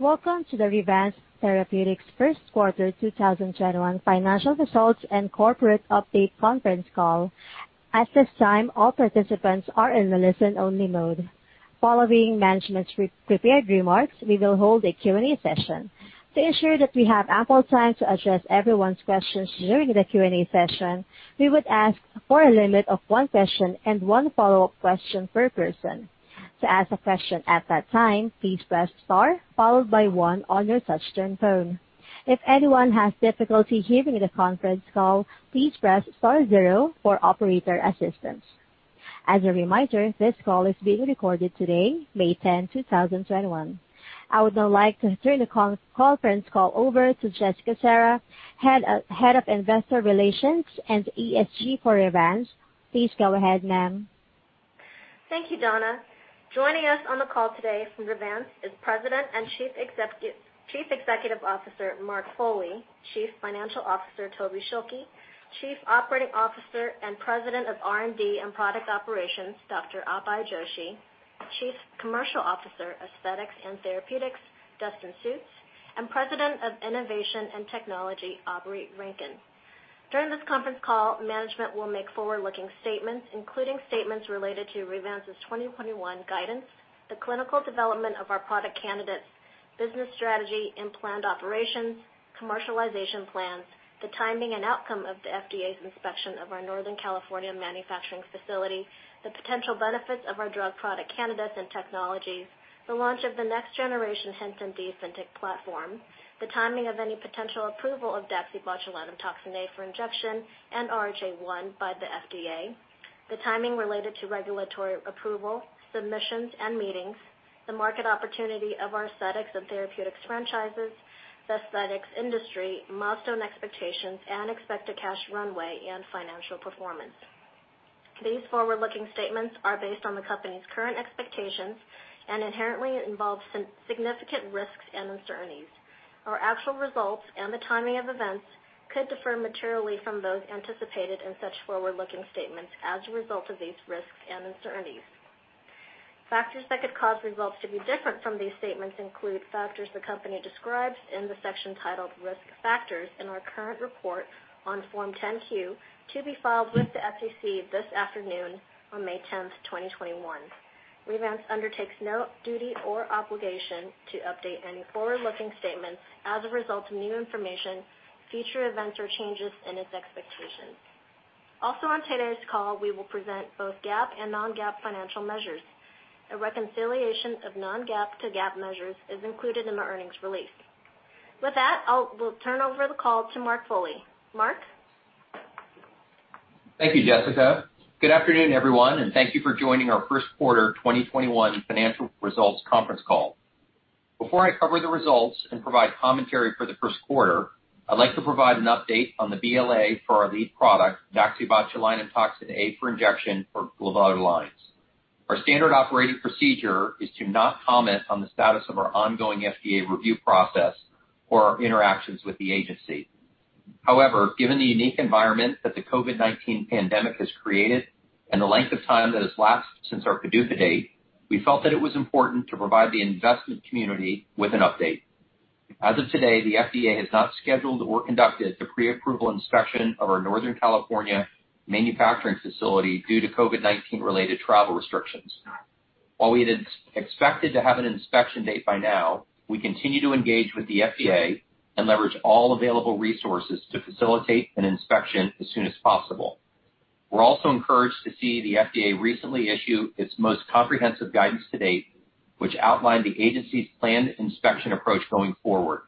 Welcome to the Revance Therapeutics First Quarter 2021 Financial Results and Corporate Update Conference Call. At this time, all participants are in listen-only mode. Following management's prepared remarks, we will hold a Q&A session. To ensure that we have ample time to address everyone's questions during the Q&A session, we would ask for a limit of one question and one follow-up question per person. To ask a question at that time, please press star followed by one on your touchtone phone. If anyone has difficulty hearing the conference call, please press star zero for operator assistance. As a reminder, this call is being recorded today, May 10th, 2021. I would now like to turn the conference call over to Jessica Serra, Head of Investor Relations and ESG for Revance. Please go ahead, ma'am. Thank you, Donna. Joining us on the call today from Revance is President and Chief Executive Officer, Mark Foley, Chief Financial Officer, Toby Schilke, Chief Operating Officer and President of R&D and Product Operations, Dr. Abhay Joshi, Chief Commercial Officer, Aesthetics and Therapeutics, Dustin Sjuts, and President of Innovation and Technology, Aubrey Rankin. During this conference call, management will make forward-looking statements, including statements related to Revance's 2021 guidance, the clinical development of our product candidates, business strategy, and planned operations, commercialization plans, the timing and outcome of the FDA's inspection of our Northern California manufacturing facility, the potential benefits of our drug product candidates and technologies, the launch of the next generation HintMD FinTech platform, the timing of any potential approval of daxibotulinumtoxinA for injection and RHA 1 by the FDA. The timing related to regulatory approval, submissions, and meetings, the market opportunity of our aesthetics and therapeutics franchises, the aesthetics industry, milestone expectations, and expected cash runway and financial performance. These forward-looking statements are based on the company's current expectations and inherently involve significant risks and uncertainties. Our actual results and the timing of events could differ materially from those anticipated in such forward-looking statements as a result of these risks and uncertainties. Factors that could cause results to be different from these statements include factors the company describes in the section titled Risk Factors in our current report on Form 10-Q to be filed with the SEC this afternoon on May 10th, 2021. Revance undertakes no duty or obligation to update any forward-looking statements as a result of new information, future events or changes in its expectations. On today's call, we will present both GAAP and non-GAAP financial measures. A reconciliation of non-GAAP to GAAP measures is included in the earnings release. With that, I will turn over the call to Mark Foley. Mark? Thank you, Jessica. Good afternoon, everyone, and thank you for joining our first quarter 2021 financial results conference call. Before I cover the results and provide commentary for the first quarter, I'd like to provide an update on the BLA for our lead product, daxibotulinumtoxinA for injection for glabellar lines. Our standard operating procedure is to not comment on the status of our ongoing FDA review process or our interactions with the agency. Given the unique environment that the COVID-19 pandemic has created and the length of time that has lapsed since our PDUFA date, we felt that it was important to provide the investment community with an update. As of today, the FDA has not scheduled or conducted the pre-approval inspection of our Northern California manufacturing facility due to COVID-19 related travel restrictions. While we had expected to have an inspection date by now, we continue to engage with the FDA and leverage all available resources to facilitate an inspection as soon as possible. We're also encouraged to see the FDA recently issue its most comprehensive guidance to date, which outlined the agency's planned inspection approach going forward.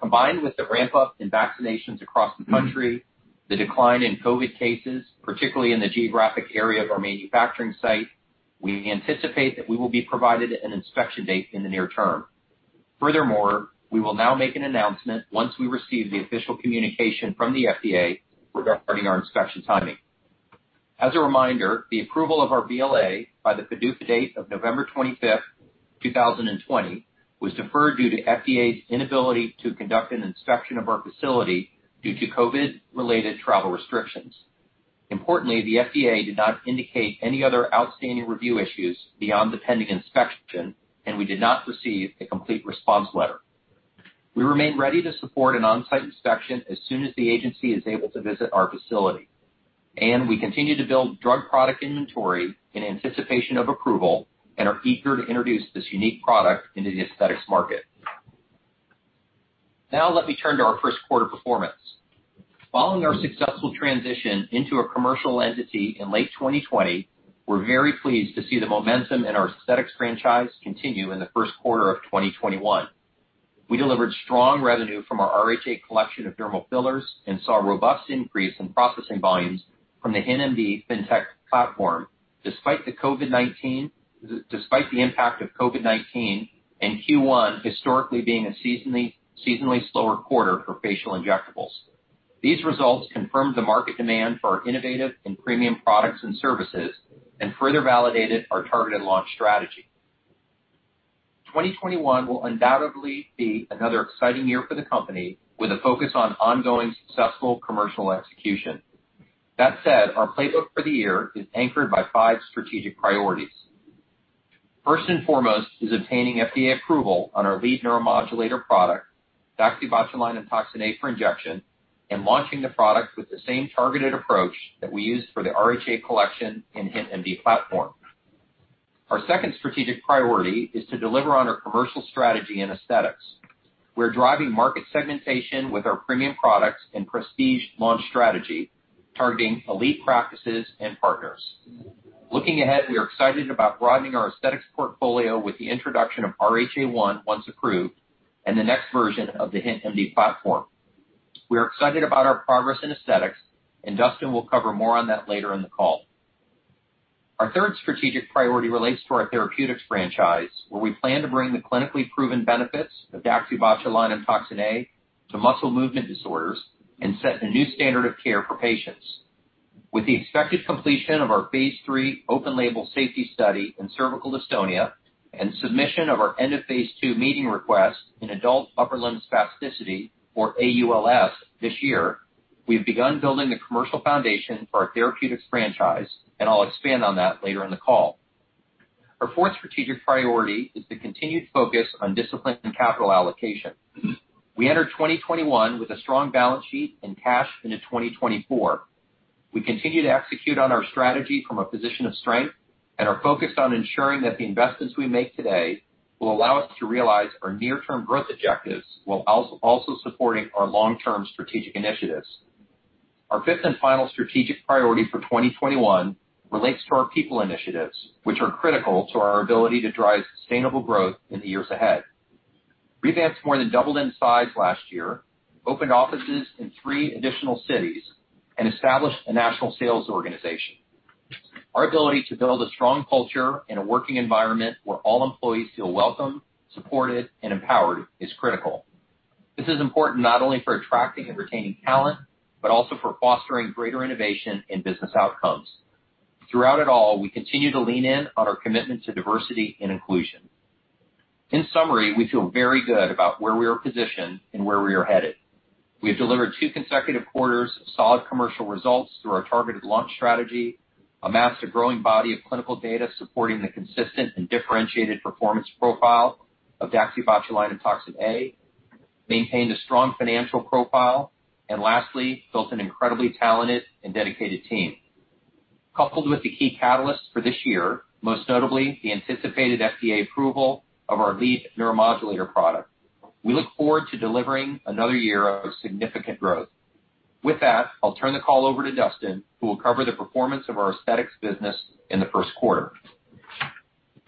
Combined with the ramp-up in vaccinations across the country, the decline in COVID cases, particularly in the geographic area of our manufacturing site, we anticipate that we will be provided an inspection date in the near term. Furthermore, we will now make an announcement once we receive the official communication from the FDA regarding our inspection timing. As a reminder, the approval of our BLA by the PDUFA date of November 25th, 2020, was deferred due to FDA's inability to conduct an inspection of our facility due to COVID related travel restrictions. Importantly, the FDA did not indicate any other outstanding review issues beyond the pending inspection, and we did not receive a Complete Response Letter. We remain ready to support an on-site inspection as soon as the agency is able to visit our facility. We continue to build drug product inventory in anticipation of approval and are eager to introduce this unique product into the aesthetics market. Now let me turn to our first quarter performance. Following our successful transition into a commercial entity in late 2020, we're very pleased to see the momentum in our aesthetics franchise continue in the first quarter of 2021. We delivered strong revenue from our RHA Collection of dermal fillers and saw a robust increase in processing volumes from the HintMD FinTech platform, despite the impact of COVID-19 and Q1 historically being a seasonally slower quarter for facial injectables. These results confirmed the market demand for our innovative and premium products and services and further validated our targeted launch strategy. 2021 will undoubtedly be another exciting year for the company with a focus on ongoing successful commercial execution. That said, our playbook for the year is anchored by five strategic priorities. First and foremost is obtaining FDA approval on our lead neuromodulator product, daxibotulinumtoxinA for injection, and launching the product with the same targeted approach that we used for the RHA Collection and HintMD platform. Our second strategic priority is to deliver on our commercial strategy in aesthetics. We're driving market segmentation with our premium products and prestige launch strategy, targeting elite practices and partners. Looking ahead, we are excited about broadening our aesthetics portfolio with the introduction of RHA 1, once approved, and the next version of the HintMD platform. We are excited about our progress in aesthetics, and Dustin will cover more on that later in the call. Our third strategic priority relates to our therapeutics franchise, where we plan to bring the clinically proven benefits of daxibotulinumtoxinA to muscle movement disorders and set the new standard of care for patients. With the expected completion of our phase III open-label safety study in cervical dystonia and submission of our end of phase II meeting request in adult upper limb spasticity, or AULS, this year, we've begun building the commercial foundation for our therapeutics franchise, and I'll expand on that later in the call. Our fourth strategic priority is the continued focus on discipline and capital allocation. We enter 2021 with a strong balance sheet and cash into 2024. We continue to execute on our strategy from a position of strength and are focused on ensuring that the investments we make today will allow us to realize our near-term growth objectives while also supporting our long-term strategic initiatives. Our fifth and final strategic priority for 2021 relates to our people initiatives, which are critical to our ability to drive sustainable growth in the years ahead. Revance more than doubled in size last year, opened offices in three additional cities, and established a national sales organization. Our ability to build a strong culture and a working environment where all employees feel welcome, supported, and empowered is critical. This is important not only for attracting and retaining talent, but also for fostering greater innovation and business outcomes. Throughout it all, we continue to lean in on our commitment to diversity and inclusion. In summary, we feel very good about where we are positioned and where we are headed. We have delivered two consecutive quarters of solid commercial results through our targeted launch strategy, amassed a growing body of clinical data supporting the consistent and differentiated performance profile of daxibotulinumtoxinA, maintained a strong financial profile, and lastly, built an incredibly talented and dedicated team. Coupled with the key catalysts for this year, most notably the anticipated FDA approval of our lead neuromodulator product, we look forward to delivering another year of significant growth. With that, I'll turn the call over to Dustin, who will cover the performance of our aesthetics business in the first quarter.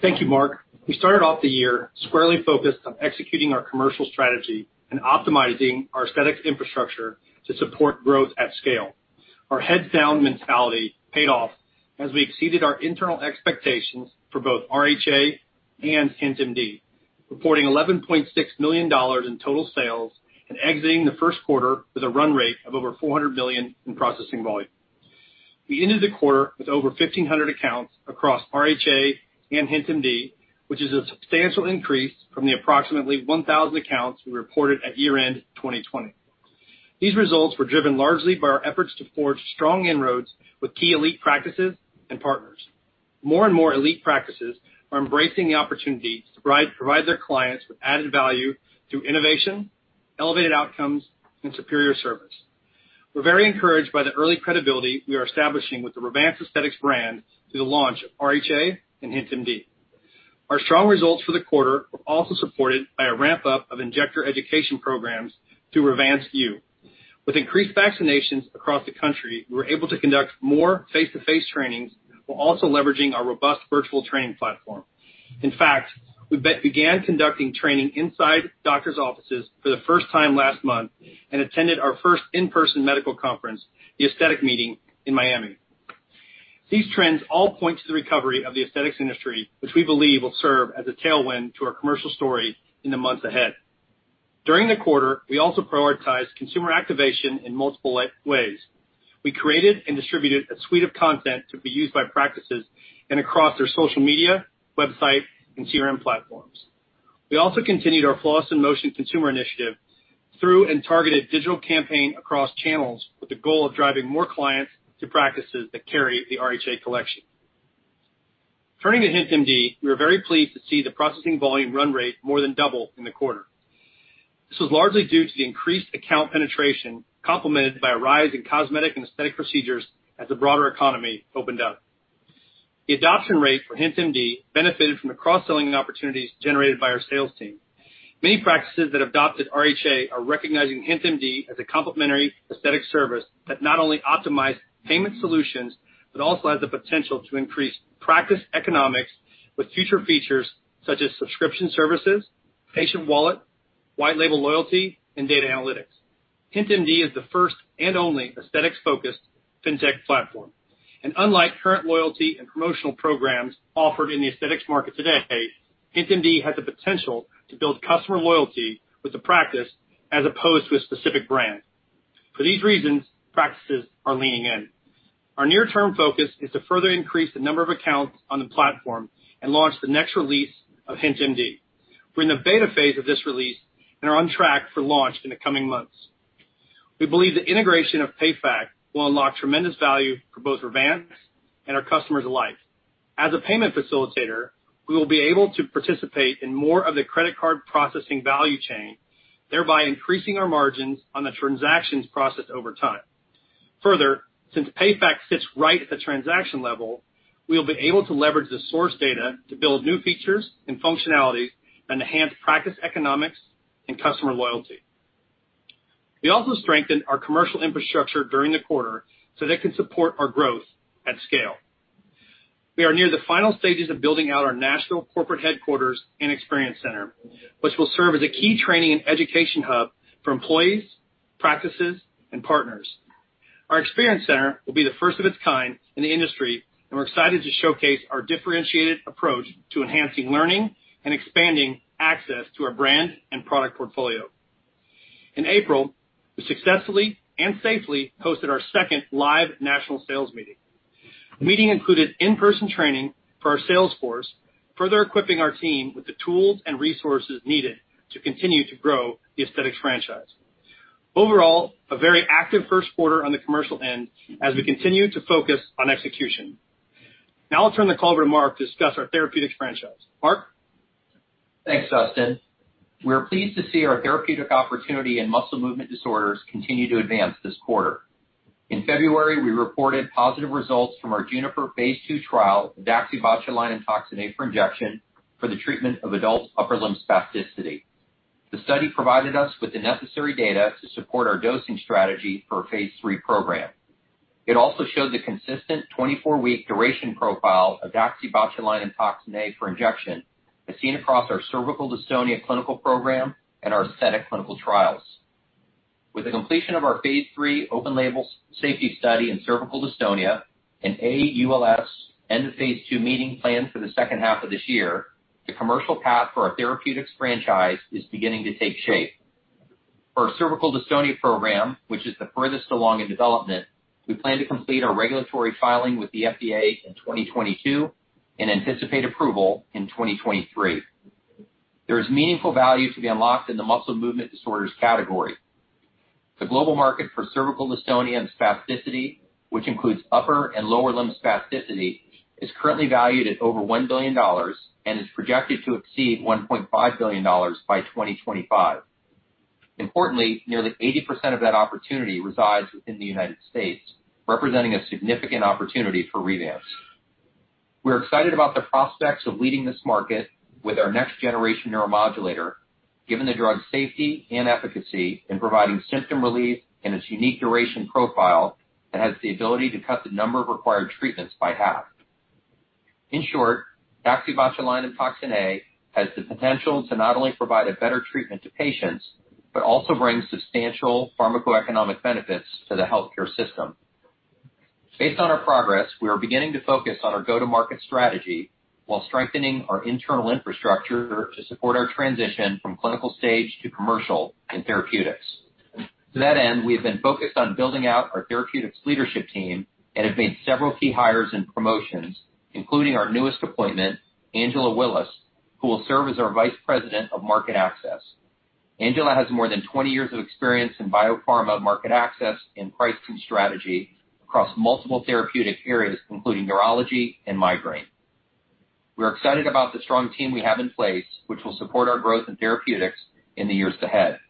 Thank you, Mark. We started off the year squarely focused on executing our commercial strategy and optimizing our aesthetics infrastructure to support growth at scale. Our heads-down mentality paid off as we exceeded our internal expectations for both RHA and HintMD, reporting $11.6 million in total sales and exiting the first quarter with a run rate of over $400 million in processing volume. We ended the quarter with over 1,500 accounts across RHA and HintMD, which is a substantial increase from the approximately 1,000 accounts we reported at year-end 2020. These results were driven largely by our efforts to forge strong inroads with key elite practices and partners. More and more elite practices are embracing the opportunity to provide their clients with added value through innovation, elevated outcomes, and superior service. We're very encouraged by the early credibility we are establishing with the Revance Aesthetics brand through the launch of RHA and HintMD. Our strong results for the quarter were also supported by a ramp-up of injector education programs through Revance U. With increased vaccinations across the country, we were able to conduct more face-to-face trainings while also leveraging our robust virtual training platform. In fact, we began conducting training inside doctors' offices for the first time last month and attended our first in-person medical conference, The Aesthetic Meeting, in Miami. These trends all point to the recovery of the aesthetics industry, which we believe will serve as a tailwind to our commercial story in the months ahead. During the quarter, we also prioritized consumer activation in multiple ways. We created and distributed a suite of content to be used by practices and across their social media, website, and CRM platforms. We also continued our Flawless in Motion consumer initiative through and targeted digital campaign across channels with the goal of driving more clients to practices that carry the RHA Collection. Turning to HintMD, we are very pleased to see the processing volume run rate more than double in the quarter. This was largely due to the increased account penetration complemented by a rise in cosmetic and aesthetic procedures as the broader economy opened up. The adoption rate for HintMD benefited from the cross-selling opportunities generated by our sales team. Many practices that adopted RHA are recognizing HintMD as a complementary aesthetic service that not only optimizes payment solutions but also has the potential to increase practice economics with future features such as subscription services, patient wallet, white label loyalty, and data analytics. HintMD is the first and only aesthetics-focused fintech platform. Unlike current loyalty and promotional programs offered in the aesthetics market today, HintMD has the potential to build customer loyalty with the practice as opposed to a specific brand. For these reasons, practices are leaning in. Our near-term focus is to further increase the number of accounts on the platform and launch the next release of HintMD. We're in the beta phase of this release and are on track for launch in the coming months. We believe the integration of PayFac will unlock tremendous value for both Revance and our customers alike. As a payment facilitator, we will be able to participate in more of the credit card processing value chain, thereby increasing our margins on the transactions processed over time. Since PayFac sits right at the transaction level, we'll be able to leverage the source data to build new features and functionalities and enhance practice economics and customer loyalty. We also strengthened our commercial infrastructure during the quarter so that it can support our growth at scale. We are near the final stages of building out our national corporate headquarters and experience center, which will serve as a key training and education hub for employees, practices, and partners. Our experience center will be the first of its kind in the industry. We're excited to showcase our differentiated approach to enhancing learning and expanding access to our brand and product portfolio. In April, we successfully and safely hosted our second live national sales meeting. The meeting included in-person training for our sales force, further equipping our team with the tools and resources needed to continue to grow the aesthetics franchise. Overall, a very active first quarter on the commercial end as we continue to focus on execution. Now I'll turn the call over to Mark to discuss our therapeutics franchise. Mark? Thanks, Dustin. We are pleased to see our therapeutic opportunity in muscle movement disorders continue to advance this quarter. In February, we reported positive results from our JUNIPER phase II trial of daxibotulinumtoxinA for injection for the treatment of adult upper limb spasticity. The study provided us with the necessary data to support our dosing strategy for a phase III program. It also showed the consistent 24-week duration profile of daxibotulinumtoxinA for injection, as seen across our cervical dystonia clinical program and our aesthetic clinical trials. With the completion of our phase III open-label safety study in cervical dystonia, and AULS and the phase II meeting planned for the second half of this year, the commercial path for our therapeutics franchise is beginning to take shape. For our cervical dystonia program, which is the furthest along in development, we plan to complete our regulatory filing with the FDA in 2022 and anticipate approval in 2023. There is meaningful value to be unlocked in the muscle movement disorders category. The global market for cervical dystonia and spasticity, which includes upper and lower limb spasticity, is currently valued at over $1 billion and is projected to exceed $1.5 billion by 2025. Importantly, nearly 80% of that opportunity resides within the United States, representing a significant opportunity for Revance. We're excited about the prospects of leading this market with our next generation neuromodulator, given the drug's safety and efficacy in providing symptom relief and its unique duration profile that has the ability to cut the number of required treatments by half. In short, daxibotulinumtoxinA has the potential to not only provide a better treatment to patients, but also bring substantial pharmacoeconomic benefits to the healthcare system. Based on our progress, we are beginning to focus on our Go-To-Market strategy while strengthening our internal infrastructure to support our transition from clinical stage to commercial in therapeutics. To that end, we have been focused on building out our therapeutics leadership team and have made several key hires and promotions, including our newest appointment, Angela Willis, who will serve as our Vice President of Market Access. Angela has more than 20 years of experience in biopharma market access and pricing strategy across multiple therapeutic areas, including neurology and migraine. We're excited about the strong team we have in place, which will support our growth in therapeutics in the years ahead.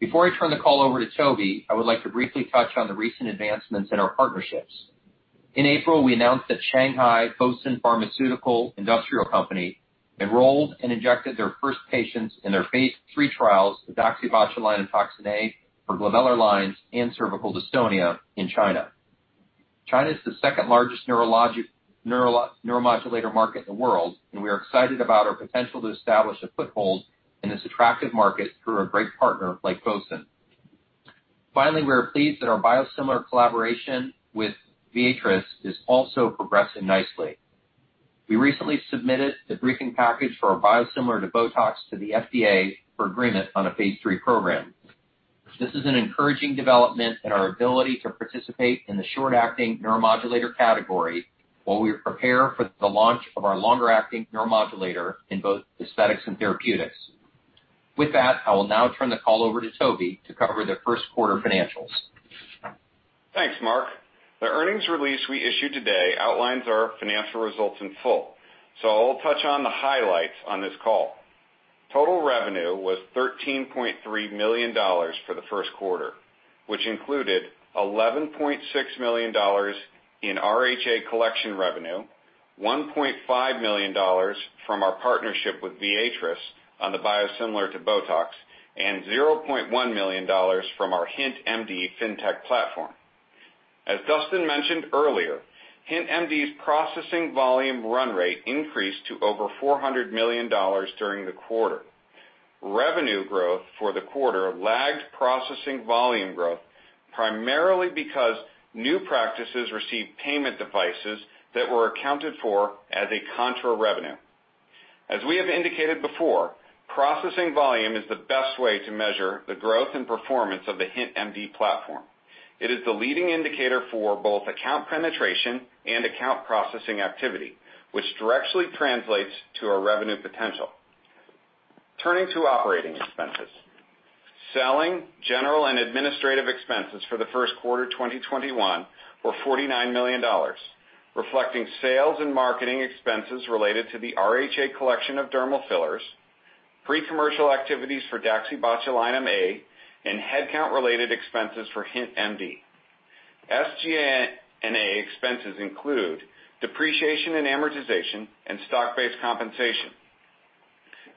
Before I turn the call over to Toby, I would like to briefly touch on the recent advancements in our partnerships. In April, we announced that Shanghai Fosun Pharmaceutical Industrial Company enrolled and injected their first patients in their phase III trials with daxibotulinumtoxinA for glabellar lines and cervical dystonia in China. China is the second largest neuromodulator market in the world, we are excited about our potential to establish a foothold in this attractive market through a great partner like Fosun. Finally, we are pleased that our biosimilar collaboration with Viatris is also progressing nicely. We recently submitted the briefing package for our biosimilar to BOTOX to the FDA for agreement on a phase III program. This is an encouraging development in our ability to participate in the short-acting neuromodulator category while we prepare for the launch of our longer-acting neuromodulator in both aesthetics and therapeutics. With that, I will now turn the call over to Toby to cover the first quarter financials. Thanks, Mark. The earnings release we issued today outlines our financial results in full, so I'll touch on the highlights on this call. Total revenue was $13.3 million for the first quarter, which included $11.6 million in RHA Collection revenue, $1.5 million from our partnership with Viatris on the biosimilar to BOTOX, and $0.1 million from our HintMD FinTech platform. As Dustin mentioned earlier, HintMD's processing volume run rate increased to over $400 million during the quarter. Revenue growth for the quarter lagged processing volume growth, primarily because new practices received payment devices that were accounted for as a contra revenue. As we have indicated before, processing volume is the best way to measure the growth and performance of the HintMD platform. It is the leading indicator for both account penetration and account processing activity, which directly translates to our revenue potential. Turning to operating expenses. Selling, general, and administrative expenses for the first quarter 2021 were $49 million, reflecting sales and marketing expenses related to the RHA Collection of dermal fillers, pre-commercial activities for daxibotulinumtoxinA, and headcount-related expenses for HintMD. SG&A expenses include depreciation and amortization and stock-based compensation.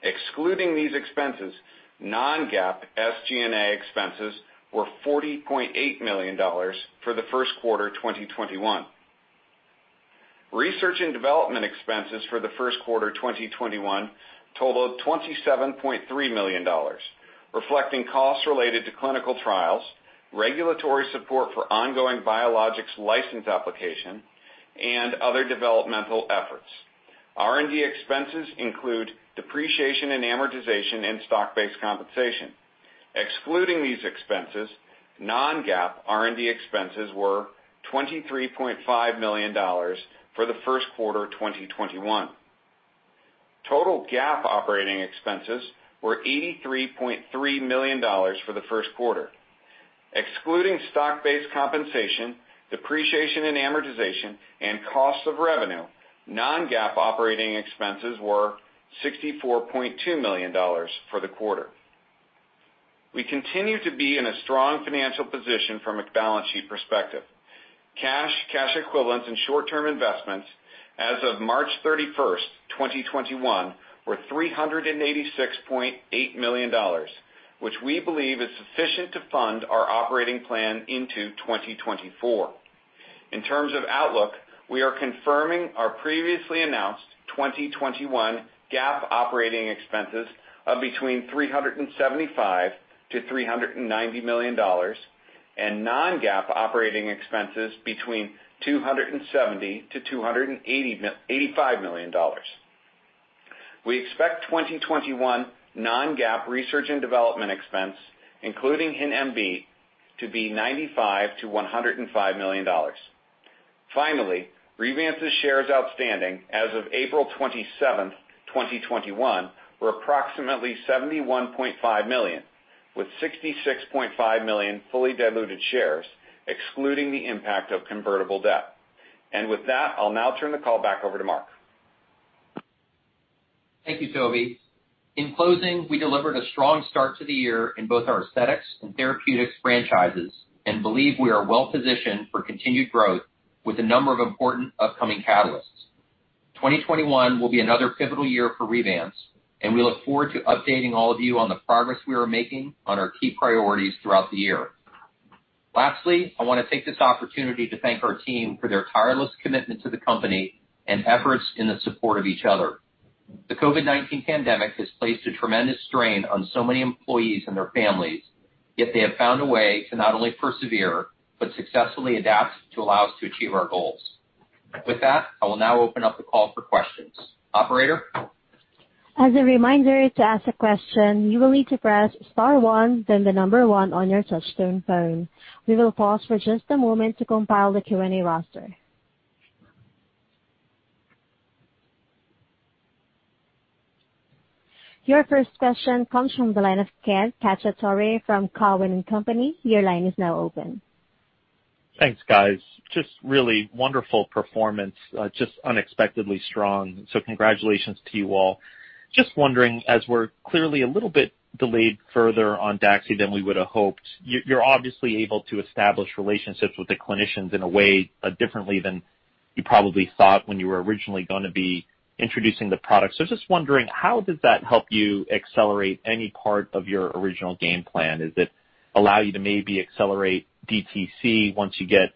Excluding these expenses, non-GAAP SG&A expenses were $40.8 million for the first quarter 2021. Research and development expenses for the first quarter 2021 totaled $27.3 million, reflecting costs related to clinical trials, regulatory support for ongoing Biologics License Application, and other developmental efforts. R&D expenses include depreciation and amortization and stock-based compensation. Excluding these expenses, non-GAAP R&D expenses were $23.5 million for the first quarter 2021. Total GAAP operating expenses were $83.3 million for the first quarter. Excluding stock-based compensation, depreciation and amortization, and cost of revenue, non-GAAP operating expenses were $64.2 million for the quarter. We continue to be in a strong financial position from a balance sheet perspective. Cash, cash equivalents, and short-term investments as of March 31st, 2021, were $386.8 million, which we believe is sufficient to fund our operating plan into 2024. In terms of outlook, we are confirming our previously announced 2021 GAAP operating expenses of between $375 million-$390 million and non-GAAP operating expenses between $270 million-$285 million. We expect 2021 non-GAAP research and development expense, including HintMD, to be $95 million-$105 million. Finally, Revance's shares outstanding as of April 27th, 2021, were approximately 71.5 million, with 66.5 million fully diluted shares, excluding the impact of convertible debt. With that, I'll now turn the call back over to Mark. Thank you, Toby. In closing, we delivered a strong start to the year in both our aesthetics and therapeutics franchises and believe we are well-positioned for continued growth with a number of important upcoming catalysts. 2021 will be another pivotal year for Revance, and we look forward to updating all of you on the progress we are making on our key priorities throughout the year. Lastly, I want to take this opportunity to thank our team for their tireless commitment to the company and efforts in the support of each other. The COVID-19 pandemic has placed a tremendous strain on so many employees and their families, yet they have found a way to not only persevere but successfully adapt to allow us to achieve our goals. With that, I will now open up the call for questions. Operator? As a reminder, to ask a question, you will need to press star then the number one on your touchtone phone. We will pause just a moment to compile the Q&A roster. Your first question comes from the line of Ken Cacciatore from Cowen and Company. Your line is now open. Thanks, guys. Just really wonderful performance, just unexpectedly strong, congratulations to you all. Just wondering, as we're clearly a little bit delayed further on DAXI than we would've hoped, you're obviously able to establish relationships with the clinicians in a way differently than you probably thought when you were originally going to be introducing the product. Just wondering, how does that help you accelerate any part of your original game plan? Does it allow you to maybe accelerate DTC once you get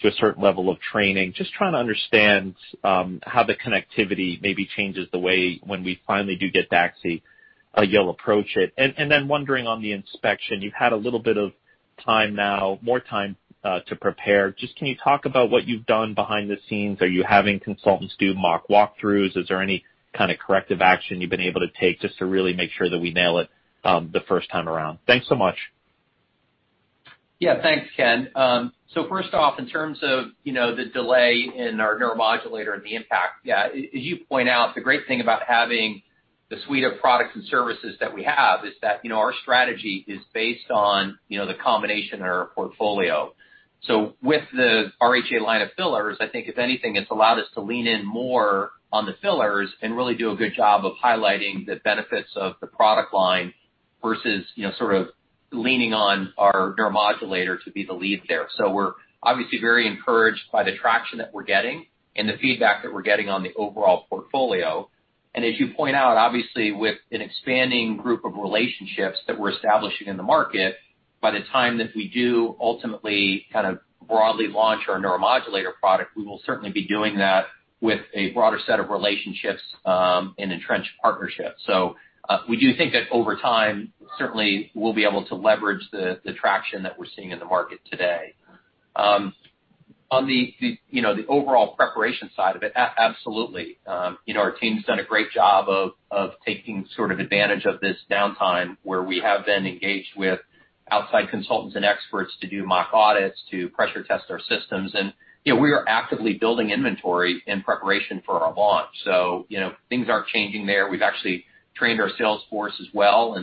to a certain level of training? Just trying to understand how the connectivity maybe changes the way, when we finally do get DAXI, you'll approach it. Wondering on the inspection, you've had a little bit of time now, more time to prepare. Just can you talk about what you've done behind the scenes? Are you having consultants do mock walkthroughs? Is there any kind of corrective action you've been able to take just to really make sure that we nail it the first time around? Thanks so much. Yeah. Thanks, Ken. First off, in terms of the delay in our neuromodulator and the impact, yeah, as you point out, the great thing about having the suite of products and services that we have is that our strategy is based on the combination in our portfolio. With the RHA line of fillers, I think if anything, it's allowed us to lean in more on the fillers and really do a good job of highlighting the benefits of the product line versus leaning on our neuromodulator to be the lead there. We're obviously very encouraged by the traction that we're getting and the feedback that we're getting on the overall portfolio. As you point out, obviously with an expanding group of relationships that we're establishing in the market, by the time that we do ultimately broadly launch our neuromodulator product, we will certainly be doing that with a broader set of relationships and entrenched partnerships. We do think that over time, certainly we'll be able to leverage the traction that we're seeing in the market today. On the overall preparation side of it, absolutely. Our team's done a great job of taking advantage of this downtime, where we have been engaged with outside consultants and experts to do mock audits, to pressure test our systems. We are actively building inventory in preparation for our launch. Things are changing there. We've actually trained our sales force as well.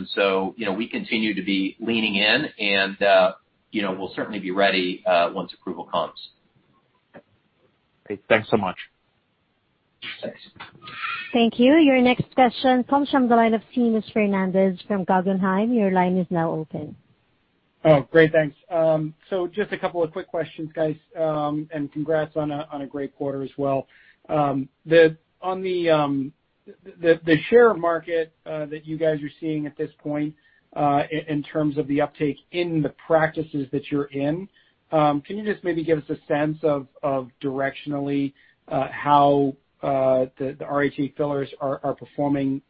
We continue to be leaning in and we'll certainly be ready once approval comes. Great. Thanks so much. Thanks. Thank you. Your next question comes from the line of Seamus Fernandez from Guggenheim. Your line is now open. Oh, great. Thanks. Just a couple of quick questions, guys, and congrats on a great quarter as well. On the share market that you guys are seeing at this point, in terms of the uptake in the practices that you're in, can you just maybe give us a sense of directionally how the RHA fillers are performing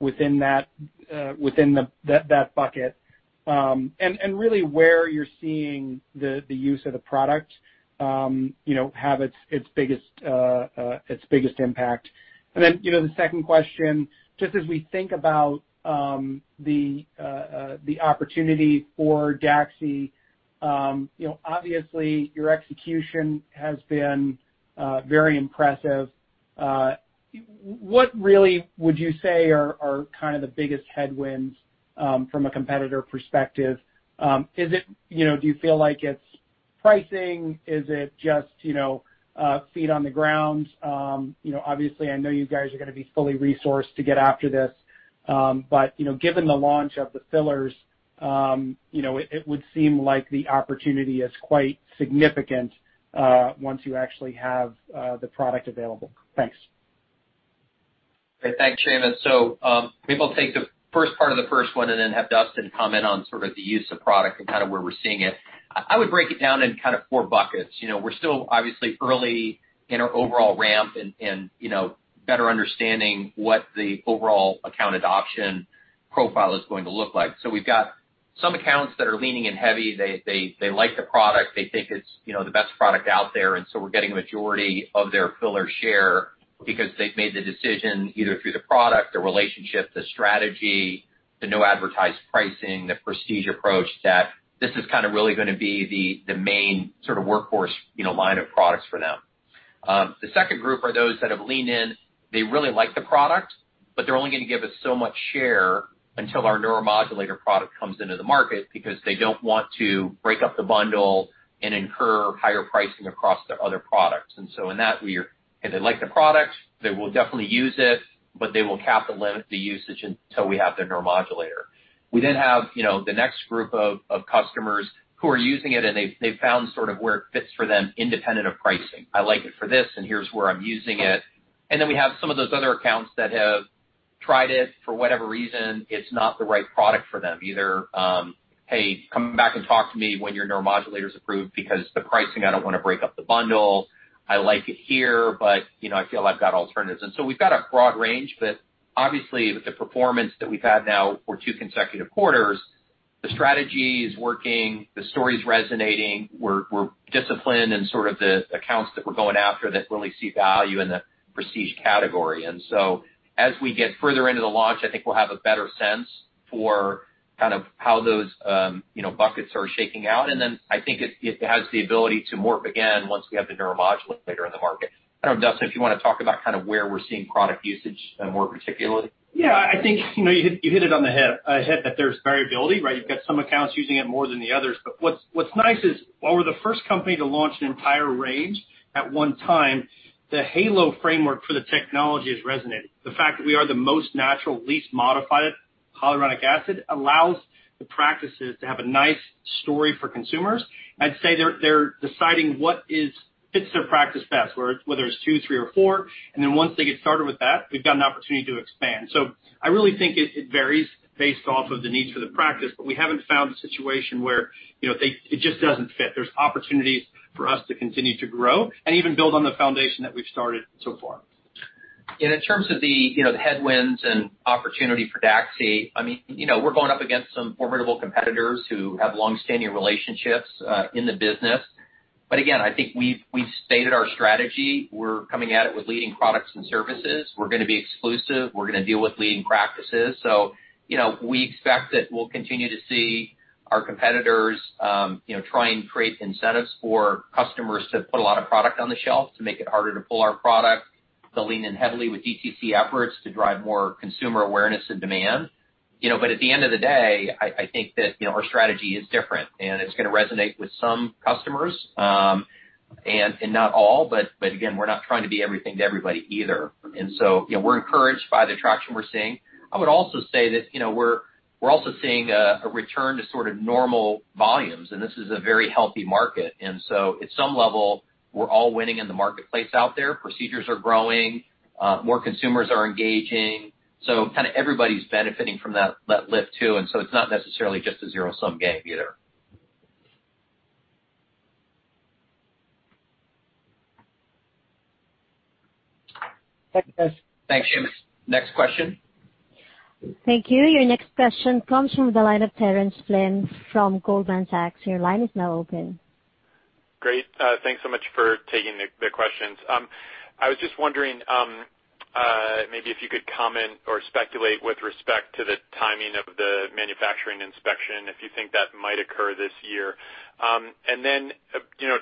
within that bucket, and really where you're seeing the use of the product have its biggest impact? The second question, just as we think about the opportunity for DAXI, obviously, your execution has been very impressive. What really would you say are kind of the biggest headwinds from a competitor perspective? Do you feel like it's pricing? Is it just feet on the ground? Obviously, I know you guys are going to be fully resourced to get after this. Given the launch of the fillers, it would seem like the opportunity is quite significant once you actually have the product available. Thanks. Great. Thanks, Seamus. Maybe I'll take the first part of the first one and then have Dustin comment on sort of the use of product and kind of where we're seeing it. I would break it down in kind of four buckets. We're still obviously early in our overall ramp and better understanding what the overall account adoption profile is going to look like. We've got some accounts that are leaning in heavy. They like the product. They think it's the best product out there, and so we're getting a majority of their filler share because they've made the decision either through the product, the relationship, the strategy, the no advertised pricing, the prestige approach, that this is kind of really going to be the main sort of workhorse line of products for them. The second group are those that have leaned in. They really like the product, but they're only going to give us so much share until our neuromodulator product comes into the market because they don't want to break up the bundle and incur higher pricing across their other products. In that, if they like the product, they will definitely use it, but they will cap and limit the usage until we have their neuromodulator. We have the next group of customers who are using it and they've found sort of where it fits for them independent of pricing. I like it for this and here's where I'm using it. We have some of those other accounts that have tried it. For whatever reason, it's not the right product for them. Either, "Hey, come back and talk to me when your neuromodulator's approved because the pricing, I don't want to break up the bundle. I like it here, but I feel I've got alternatives." We've got a broad range. Obviously, with the performance that we've had now for two consecutive quarters, the strategy is working. The story's resonating. We're disciplined in sort of the accounts that we're going after that really see value in the prestige category. As we get further into the launch, I think we'll have a better sense for kind of how those buckets are shaking out. I think it has the ability to morph again once we have the neuromodulator in the market. I don't know, Dustin, if you want to talk about kind of where we're seeing product usage more particularly. Yeah. I think, [inaudible] some accounts using it more than the others. What's nice is while we're the first company to launch an entire range at one time, the halo framework for the technology is resonating. The fact that we are the most natural, least modified hyaluronic acid allows the practices to have a nice story for consumers. I'd say they're deciding what fits their practice best, whether it's two, three, or four. Once they get started with that, we've got an opportunity to expand. I really think it varies based off of the needs for the practice, but we haven't found a situation where it just doesn't fit. There's opportunities for us to continue to grow and even build on the foundation that we've started so far. In terms of the headwinds and opportunity for DAXI, we're going up against some formidable competitors who have longstanding relationships in the business. Again, I think we've stated our strategy. We're coming at it with leading products and services. We're going to be exclusive. We're going to deal with leading practices. We expect that we'll continue to see our competitors try and create incentives for customers to put a lot of product on the shelf to make it harder to pull our product, to lean in heavily with DTC efforts to drive more consumer awareness and demand. At the end of the day, I think that our strategy is different and it's going to resonate with some customers, and not all, but again, we're not trying to be everything to everybody either. So, we're encouraged by the traction we're seeing. I would also say that we're also seeing a return to sort of normal volumes, this is a very healthy market. At some level, we're all winning in the marketplace out there. Procedures are growing. More consumers are engaging. Kind of everybody's benefiting from that lift too. It's not necessarily just a zero-sum game either. Thanks, Seamus. Next question. Thank you. Your next question comes from the line of Terence Flynn from Goldman Sachs. Your line is now open. Great. Thanks so much for taking the questions. I was just wondering, maybe if you could comment or speculate with respect to the timing of the manufacturing inspection, if you think that might occur this year.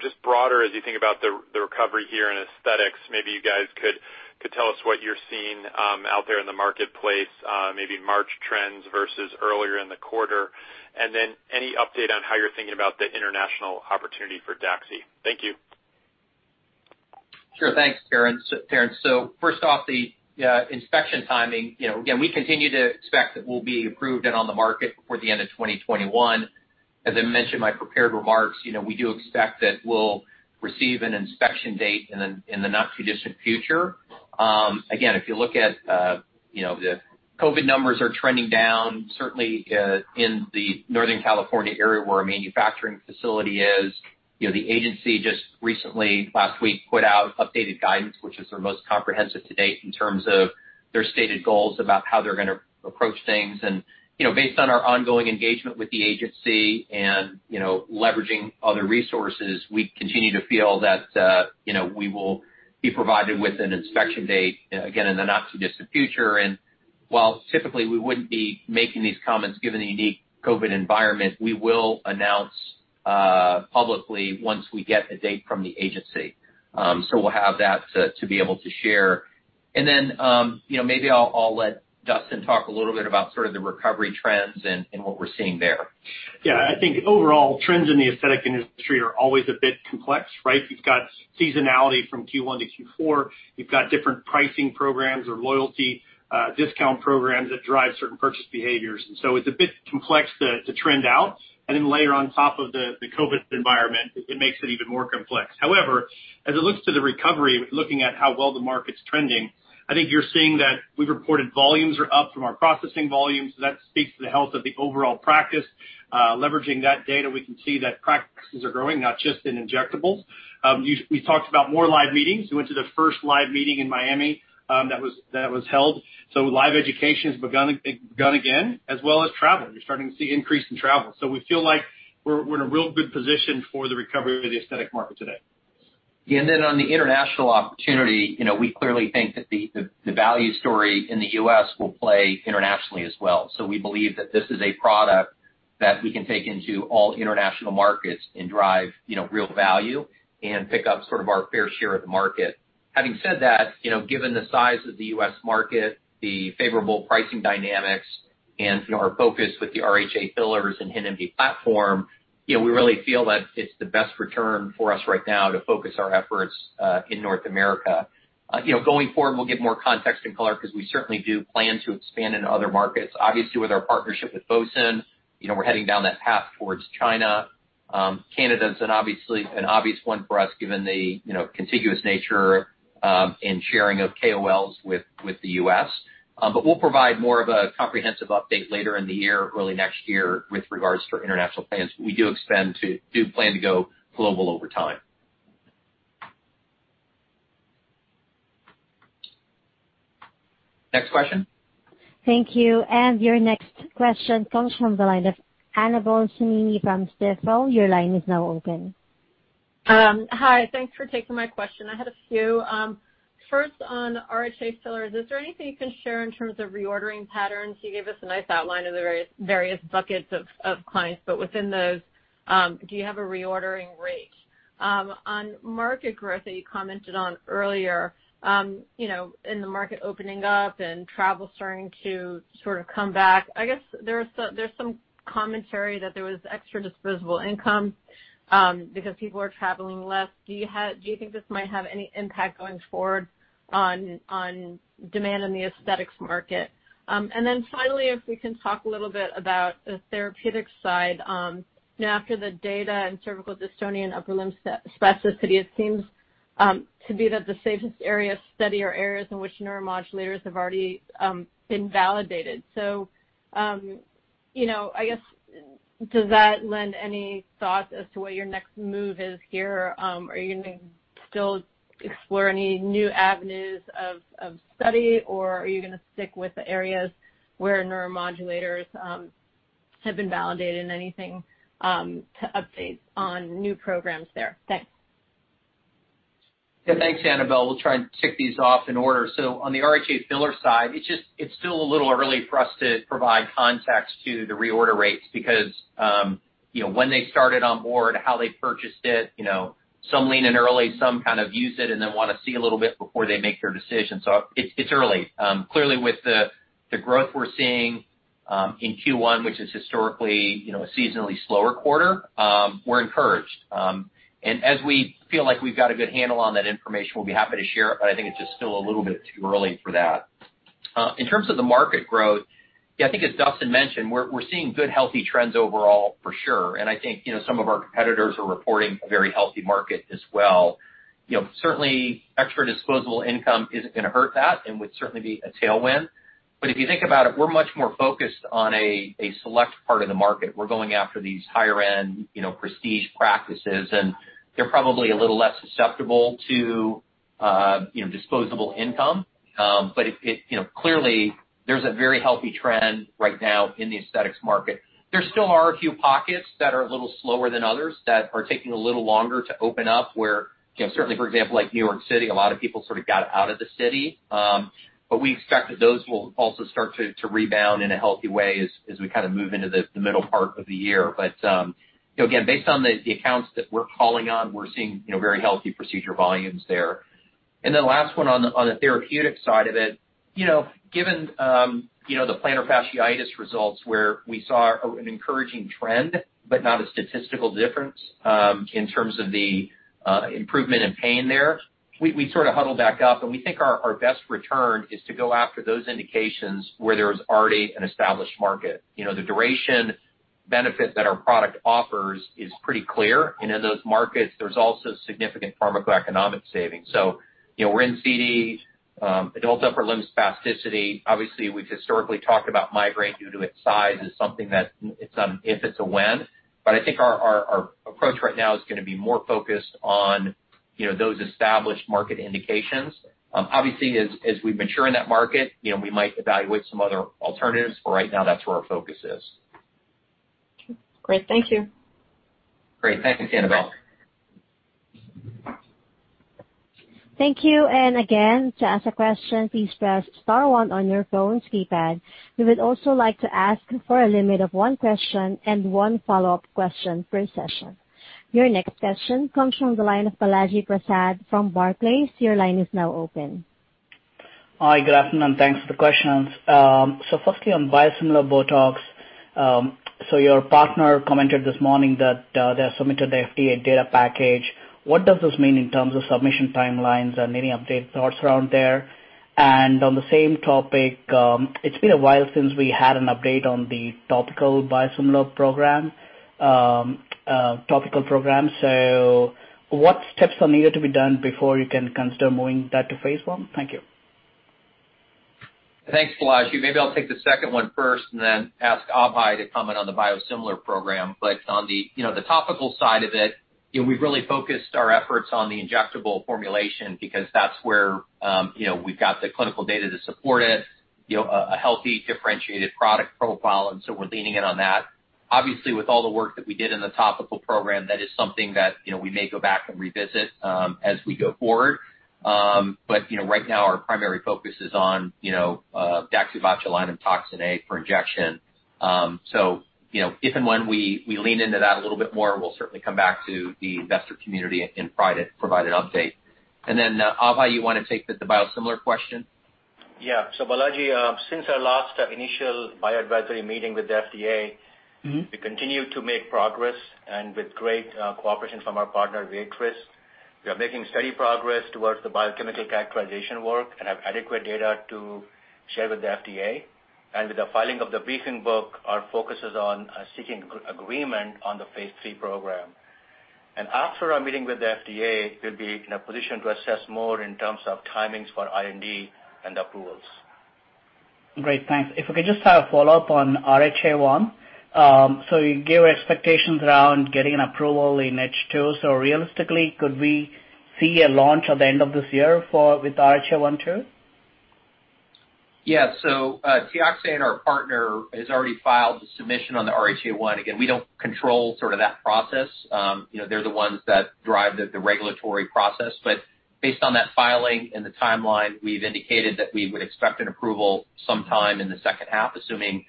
Just broader as you think about the recovery here in aesthetics, maybe you guys could tell us what you're seeing out there in the marketplace, maybe March trends versus earlier in the quarter. Any update on how you're thinking about the international opportunity for DAXI. Thank you. Sure. Thanks, Terence. First off, the inspection timing. Again, we continue to expect that we'll be approved and on the market before the end of 2021. As I mentioned in my prepared remarks, we do expect that we'll receive an inspection date in the not-too-distant future. Again, if you look at the COVID-19 numbers are trending down, certainly in the Northern California area where our manufacturing facility is. The agency just recently, last week, put out updated guidance, which is their most comprehensive to date in terms of their stated goals about how they're going to approach things. Based on our ongoing engagement with the agency and leveraging other resources, we continue to feel that we will be provided with an inspection date, again, in the not-too-distant future. While typically we wouldn't be making these comments, given the unique COVID-19 environment, we will announce publicly once we get a date from the agency. We'll have that to be able to share. Then, maybe I'll let Dustin talk a little bit about sort of the recovery trends and what we're seeing there. Yeah, I think overall trends in the aesthetic industry are always a bit complex, right? You've got seasonality from Q1 to Q4. You've got different pricing programs or loyalty discount programs that drive certain purchase behaviors. It's a bit complex to trend out, and then layer on top of the COVID-19 environment, it makes it even more complex. As it looks to the recovery, looking at how well the market's trending, I think you're seeing that we've reported volumes are up from our processing volumes. That speaks to the health of the overall practice. Leveraging that data, we can see that practices are growing, not just in injectables. We talked about more live meetings. We went to the first live meeting in Miami that was held. Live education has begun again, as well as travel. You're starting to see increase in travel. We feel like we're in a real good position for the recovery of the aesthetic market today. On the international opportunity, we clearly think that the value story in the U.S. will play internationally as well. We believe that this is a product that we can take into all international markets and drive real value and pick up sort of our fair share of the market. Having said that, given the size of the U.S. market, the favorable pricing dynamics, and our focus with the RHA fillers and HintMD platform, we really feel that it's the best return for us right now to focus our efforts in North America. Going forward, we'll give more context and color because we certainly do plan to expand into other markets. With our partnership with Fosun, we're heading down that path towards China. Canada's an obvious one for us given the contiguous nature in sharing of KOLs with the U.S. We'll provide more of a comprehensive update later in the year, early next year, with regards to our international plans. We do plan to go global over time. Next question? Thank you. Your next question comes from the line of Annabel Samimy from Stifel. Your line is now open. Hi. Thanks for taking my question. I had a few. First on RHA filler, is there anything you can share in terms of reordering patterns? You gave us a nice outline of the various buckets of clients. Within those, do you have a reordering rate? On market growth that you commented on earlier, in the market opening up and travel starting to sort of come back, I guess there's some commentary that there was extra disposable income because people are traveling less. Do you think this might have any impact going forward on demand in the aesthetics market? Finally, if we can talk a little bit about the therapeutic side. After the data in cervical dystonia and upper limb spasticity, it seems to be that the safest area of study are areas in which neuromodulators have already been validated. I guess, does that lend any thoughts as to what your next move is here? Are you going to still explore any new avenues of study, or are you going to stick with the areas where neuromodulators have been validated and anything to update on new programs there? Thanks. Yeah, thanks, Annabel. We'll try and tick these off in order. On the RHA filler side, it's still a little early for us to provide context to the reorder rates because when they started on board, how they purchased it, some lean in early, some kind of use it and then want to see a little bit before they make their decision. It's early. Clearly with the growth we're seeing in Q1, which is historically a seasonally slower quarter, we're encouraged. As we feel like we've got a good handle on that information, we'll be happy to share it, but I think it's just still a little bit too early for that. In terms of the market growth, yeah, I think as Dustin mentioned, we're seeing good healthy trends overall for sure. I think some of our competitors are reporting a very healthy market as well. Certainly, extra disposable income isn't going to hurt that and would certainly be a tailwind. If you think about it, we're much more focused on a select part of the market. We're going after these higher-end, prestige practices, and they're probably a little less susceptible to disposable income. Clearly, there's a very healthy trend right now in the aesthetics market. There still are a few pockets that are a little slower than others, that are taking a little longer to open up, where certainly, for example, like New York City, a lot of people sort of got out of the city. We expect that those will also start to rebound in a healthy way as we move into the middle part of the year. Again, based on the accounts that we're calling on, we're seeing very healthy procedure volumes there. The last one on the therapeutic side of it. Given the plantar fasciitis results, where we saw an encouraging trend, but not a statistical difference in terms of the improvement in pain there, we sort of huddled back up, and we think our best return is to go after those indications where there's already an established market. The duration benefit that our product offers is pretty clear. In those markets, there's also significant pharmacoeconomic savings. We're in CD, adult upper limb spasticity. Obviously, we've historically talked about migraine due to its size as something that it's an if, it's a when. I think our approach right now is going to be more focused on those established market indications. Obviously, as we mature in that market, we might evaluate some other alternatives. For right now, that's where our focus is. Great. Thank you. Great. Thank you, Annabel. Thank you. Again, to ask a question, please press star one on your phone's keypad. We would also like to ask for a limit of one question and one follow-up question per session. Your next question comes from the line of Balaji Prasad from Barclays. Your line is now open. Hi, good afternoon. Thanks for the questions. Firstly, on biosimilar BOTOX. Your partner commented this morning that they have submitted the FDA data package. What does this mean in terms of submission timelines and any updated thoughts around there? On the same topic, it's been a while since we had an update on the topical biosimilar program. What steps are needed to be done before you can consider moving that to phase I? Thank you. Thanks, Balaji. Maybe I'll take the second one first and then ask Abhay to comment on the biosimilar program. On the topical side of it, we've really focused our efforts on the injectable formulation because that's where we've got the clinical data to support it, a healthy, differentiated product profile, and so we're leaning in on that. Obviously, with all the work that we did in the topical program, that is something that we may go back and revisit as we go forward. Right now, our primary focus is on daxibotulinumtoxinA for injection. If and when we lean into that a little bit more, we'll certainly come back to the investor community and provide an update. Abhay, you want to take the biosimilar question? Yeah. Balaji, since our last initial bio advisory meeting with the FDA. We continue to make progress with great cooperation from our partner, Viatris. We are making steady progress towards the biochemical characterization work and have adequate data to share with the FDA. With the filing of the briefing book, our focus is on seeking agreement on the phase III program. After our meeting with the FDA, we'll be in a position to assess more in terms of timings for IND and approvals. Great, thanks. If we could just have a follow-up on RHA 1. You gave expectations around getting an approval in H2. Realistically, could we see a launch at the end of this year with RHA 1, too? Yeah. TEOXANE and our partner has already filed the submission on the RHA 1. Again, we don't control that process. They're the ones that drive the regulatory process. Based on that filing and the timeline, we've indicated that we would expect an approval sometime in the second half, assuming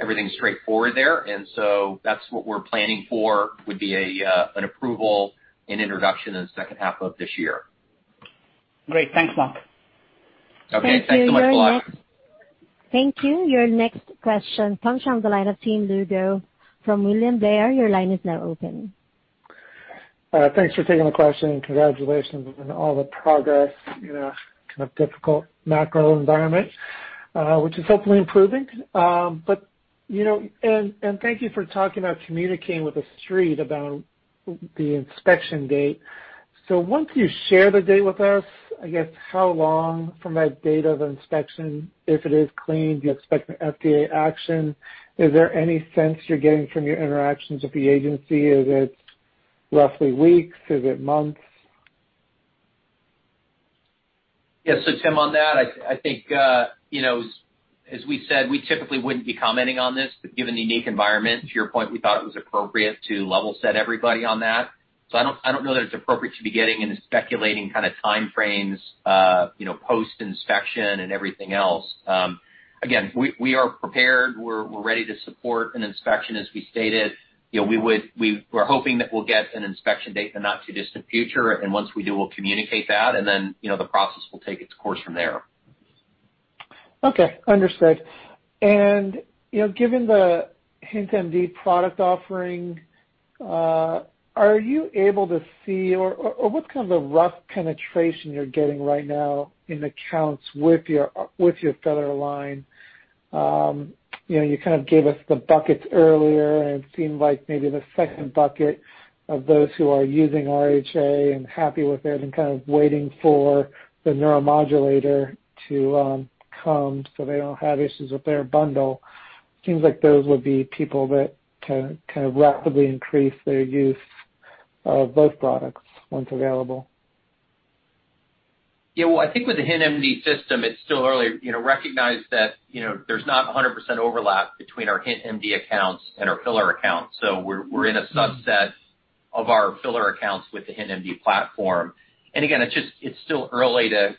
everything's straightforward there. That's what we're planning for, would be an approval and introduction in the second half of this year. Great. Thanks, Mark. Okay. Thanks so much, Balaji. Thank you. Your next question comes from the line of Tim Lugo from William Blair. Your line is now open. Thanks for taking the question. Congratulations on all the progress in a kind of difficult macro environment, which is hopefully improving. Thank you for talking about communicating with the Street about the inspection date. Once you share the date with us, I guess, how long from that date of inspection, if it is clean, do you expect an FDA action? Is there any sense you're getting from your interactions with the agency? Is it roughly weeks? Is it months? Yeah. Tim, on that, I think, as we said, we typically wouldn't be commenting on this, but given the unique environment, to your point, we thought it was appropriate to level set everybody on that. I don't know that it's appropriate to be getting into speculating kind of time frames post-inspection and everything else. Again, we are prepared. We're ready to support an inspection, as we stated. We're hoping that we'll get an inspection date in the not-too-distant future, and once we do, we'll communicate that, and then the process will take its course from there. Okay. Understood. Given the HintMD product offering, are you able to see, or what kind of rough penetration you're getting right now in accounts with your filler line? You kind of gave us the buckets earlier, and it seemed like maybe the second bucket of those who are using RHA and happy with it and kind of waiting for the neuromodulator to come so they don't have issues with their bundle. It seems like those would be people that can rapidly increase their use of both products once available. Yeah. Well, I think with the HintMD system, it's still early. Recognize that there's not 100% overlap between our HintMD accounts and our filler accounts. We're in a subset of our filler accounts with the HintMD platform. Again, it's still early to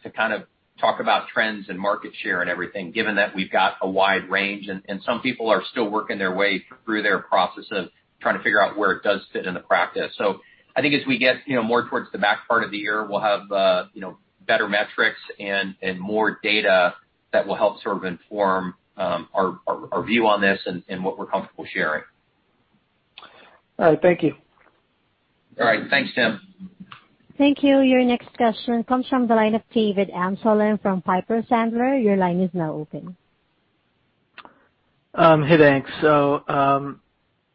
talk about trends and market share and everything, given that we've got a wide range and some people are still working their way through their process of trying to figure out where it does fit in the practice. I think as we get more towards the back part of the year, we'll have better metrics and more data that will help sort of inform our view on this and what we're comfortable sharing. All right. Thank you. All right. Thanks, Tim. Thank you. Your next question comes from the line of David Amsellem from Piper Sandler. Your line is now open. Hey, thanks.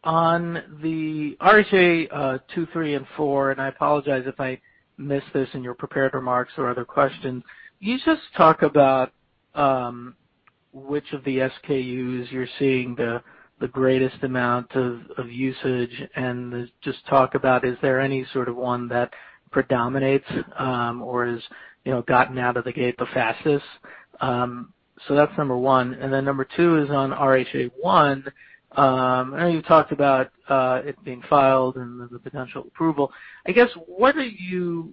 On the RHA 2, 3, and 4, and I apologize if I missed this in your prepared remarks or other questions. Can you just talk about which of the SKUs you're seeing the greatest amount of usage and just talk about, is there any sort of one that predominates or has gotten out of the gate the fastest? That's number one. Number two is on RHA 1. I know you talked about it being filed and the potential approval. I guess, what do you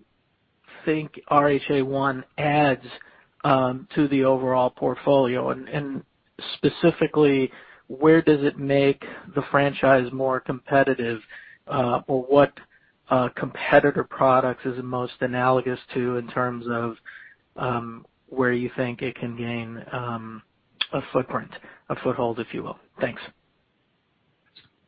think RHA 1 adds to the overall portfolio? Specifically, where does it make the franchise more competitive? What competitor products is it most analogous to in terms of where you think it can gain a footprint, a foothold, if you will?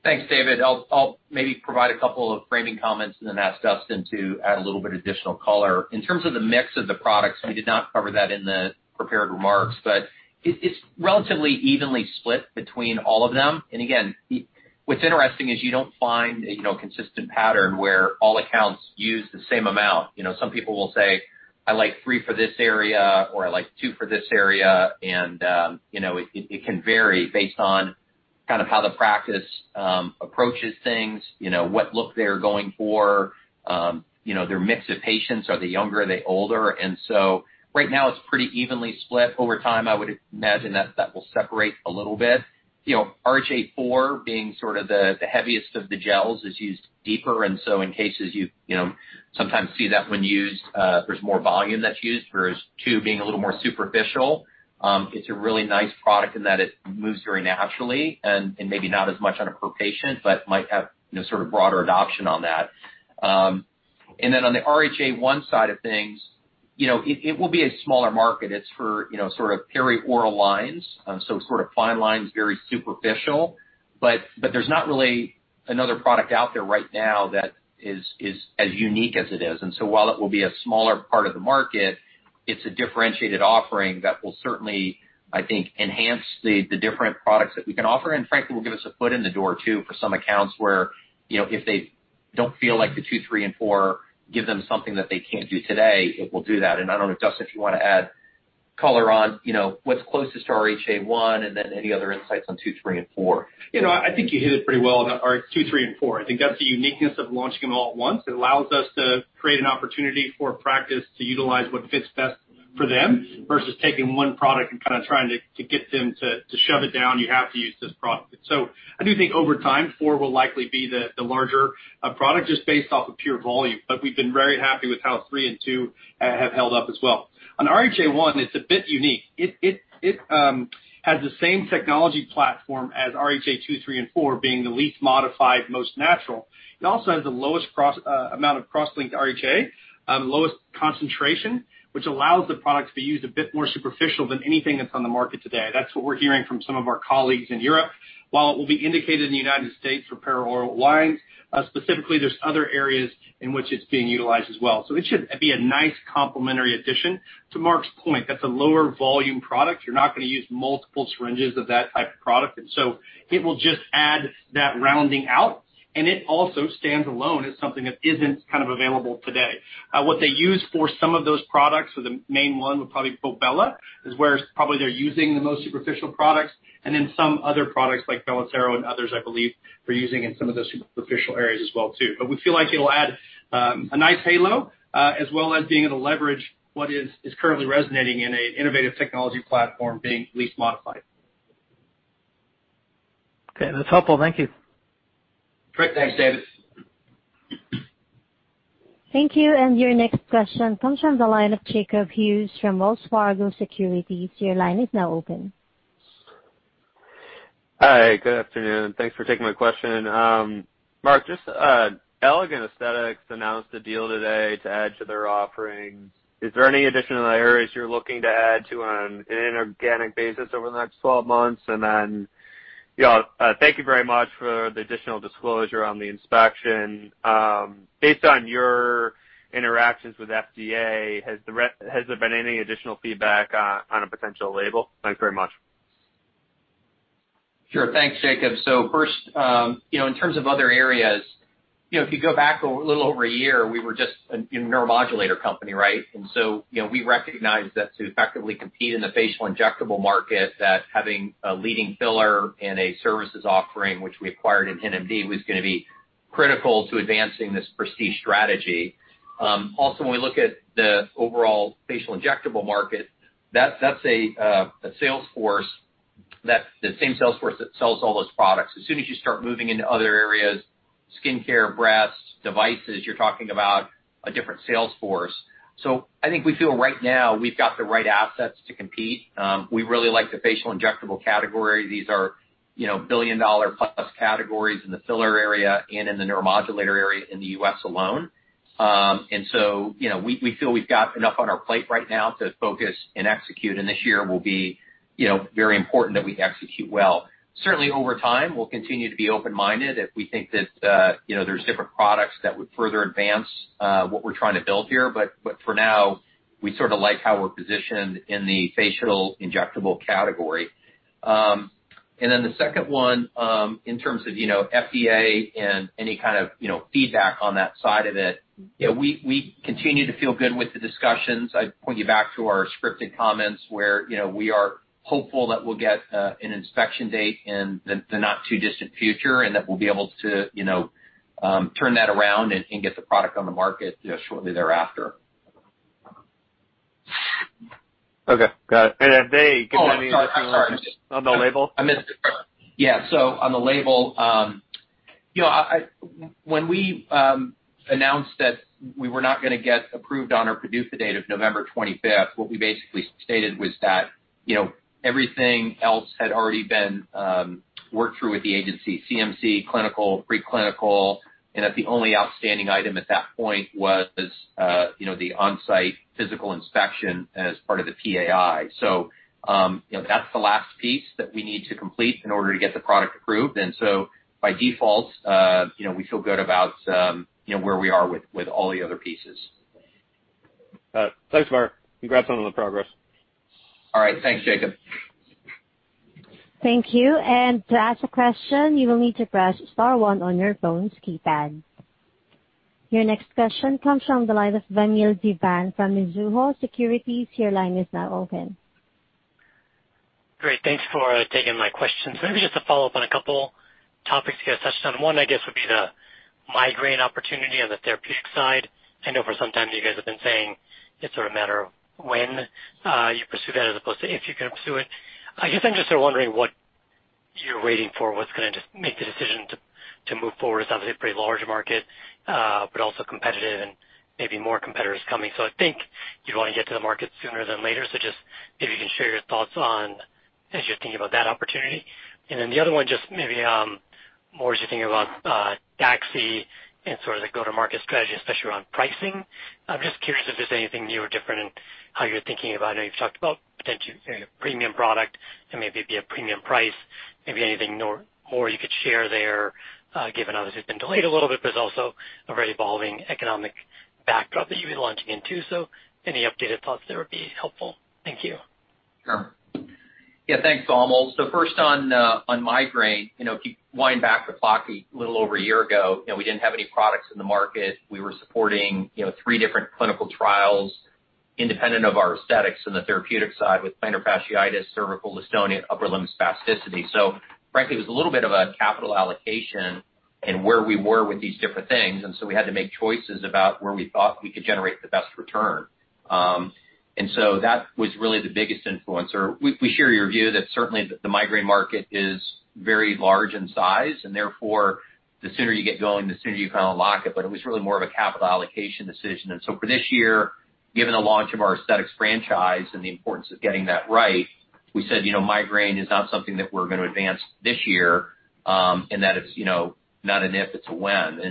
Thanks. Thanks, David. I'll maybe provide a couple of framing comments and then ask Dustin to add a little bit of additional color. In terms of the mix of the products, we did not cover that in the prepared remarks, but it's relatively evenly split between all of them. Again, what's interesting is you don't find a consistent pattern where all accounts use the same amount. Some people will say, "I like three for this area," or, "I like two for this area." It can vary based on kind of how the practice approaches things, what look they're going for, their mix of patients. Are they younger, are they older? So right now it's pretty evenly split. Over time, I would imagine that that will separate a little bit. RHA 4 being sort of the heaviest of the gels is used deeper, in cases you sometimes see that when used, there's more volume that's used, whereas RHA 2 being a little more superficial. It's a really nice product in that it moves very naturally and maybe not as much on a per patient, but might have sort of broader adoption on that. On the RHA 1 side of things, it will be a smaller market. It's for sort of perioral lines, sort of fine lines, very superficial. There's not really another product out there right now that is as unique as it is. While it will be a smaller part of the market, it's a differentiated offering that will certainly, I think, enhance the different products that we can offer, and frankly, will give us a foot in the door, too, for some accounts where if they don't feel like the two, three, and four give them something that they can't do today, it will do that. I don't know, Dustin, if you want to add color on what's closest to RHA 1, and then any other insights on two, three, and four. I think you hit it pretty well on our two, three, and four. I think that's the uniqueness of launching them all at once. It allows us to create an opportunity for a practice to utilize what fits best for them versus taking one product and kind of trying to get them to shove it down, "You have to use this product." I do think over time, four will likely be the larger product just based off of pure volume. We've been very happy with how three and two have held up as well. On RHA 1, it's a bit unique. It has the same technology platform as RHA 2, 3, and 4, being the least modified, most natural. It also has the lowest amount of cross-linked RHA, lowest concentration, which allows the product to be used a bit more superficial than anything that's on the market today. That's what we're hearing from some of our colleagues in Europe. While it will be indicated in the U.S. for perioral lines, specifically, there's other areas in which it's being utilized as well. It should be a nice complementary addition. To Mark's point, that's a lower volume product. You're not going to use multiple syringes of that type of product. It will just add that rounding out, and it also stands alone as something that isn't kind of available today. What they use for some of those products, or the main one would probably be VOLBELLA, is where probably they're using the most superficial products, and then some other products like Belotero and others, I believe, we're using in some of those superficial areas as well, too. We feel like it'll add a nice halo as well as being able to leverage what is currently resonating in an innovative technology platform being least modified. Okay. That's helpful. Thank you. Great. Thanks, David. Thank you. Your next question comes from the line of Jacob Hughes from Wells Fargo Securities. Your line is now open. Hi. Good afternoon. Thanks for taking my question. Mark, just Allergan Aesthetics announced a deal today to add to their offerings. Is there any additional areas you're looking to add to on an inorganic basis over the next 12 months? Yeah. Thank you very much for the additional disclosure on the inspection. Based on your interactions with FDA, has there been any additional feedback on a potential label? Thanks very much. Thanks, Jacob. First, in terms of other areas, if you go back a little over a year, we were just a neuromodulator company, right? We recognized that to effectively compete in the facial injectable market, that having a leading filler and a services offering, which we acquired in HintMD, was going to be critical to advancing this prestige strategy. When we look at the overall facial injectable market, that is a sales force, that same sales force that sells all those products. As soon as you start moving into other areas, skincare, breasts, devices, you are talking about a different sales force. I think we feel right now we have got the right assets to compete. We really like the facial injectable category. These are billion-dollar-plus categories in the filler area and in the neuromodulator area in the U.S. alone. We feel we've got enough on our plate right now to focus and execute, and this year will be very important that we execute well. Certainly, over time, we'll continue to be open-minded if we think that there's different products that would further advance what we're trying to build here. For now, we sort of like how we're positioned in the facial injectable category. The second one, in terms of FDA and any kind of feedback on that side of it, we continue to feel good with the discussions. I'd point you back to our scripted comments where we are hopeful that we'll get an inspection date in the not-too-distant future, and that we'll be able to turn that around and get the product on the market shortly thereafter. Okay, got it. Have they given any indication? Oh, I'm sorry. On the label? I missed it. Yeah. On the label, when we announced that we were not going to get approved on our product the date of November 25th, what we basically stated was that everything else had already been worked through with the agency, CMC, clinical, pre-clinical, and that the only outstanding item at that point was the onsite physical inspection as part of the PAI. That's the last piece that we need to complete in order to get the product approved. By default, we feel good about where we are with all the other pieces. Thanks, Mark. Congrats on all the progress. All right. Thanks, Jacob. Thank you. To ask a question, you will need to press star one on your phone's keypad. Your next question comes from the line of Vamil Divan from Mizuho Securities. Your line is now open. Great. Thanks for taking my questions. Maybe just to follow up on a couple topics you guys touched on. One, I guess, would be the migraine opportunity on the therapeutic side. I know for some time you guys have been saying it's a matter of when you pursue that as opposed to if you're going to pursue it. I guess I'm just wondering what you're waiting for, what's going to make the decision to move forward. It sounds like a pretty large market, but also competitive and maybe more competitors coming. I think you'd want to get to the market sooner than later. Just if you can share your thoughts on as you're thinking about that opportunity. The other one, just maybe more as you think about DAXI and sort of the Go-To-Market strategy, especially around pricing. I'm just curious if there's anything new or different in how you're thinking about it. I know you've talked about potential premium product and maybe it be a premium price, maybe anything more you could share there, given how this has been delayed a little bit, but it's also a very evolving economic backdrop that you'll be launching into. Any updated thoughts there would be helpful. Thank you. Sure. Yeah. Thanks, Vamil. First on migraine. If you wind back the clock a little over a year ago, we didn't have any products in the market. We were supporting three different clinical trials independent of our aesthetics in the therapeutic side with plantar fasciitis, cervical dystonia, upper limb spasticity. Frankly, it was a little bit of a capital allocation and where we were with these different things, we had to make choices about where we thought we could generate the best return. That was really the biggest influencer. We share your view that certainly the migraine market is very large in size and therefore the sooner you get going, the sooner you kind of lock it. It was really more of a capital allocation decision. For this year, given the launch of our aesthetics franchise and the importance of getting that right, we said migraine is not something that we're going to advance this year and that it's not an if, it's a when.